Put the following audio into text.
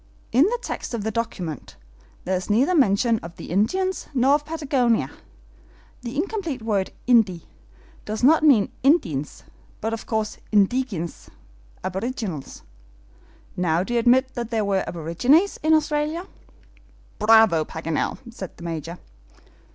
In the text of the document, there is neither mention of the Indians nor of Patagonia! The incomplete word INDI does not mean INDIENS, but of course, INDIGENES, aborigines! Now, do you admit that there are aborigines in Australia?" "Bravo, Paganel!" said the Major.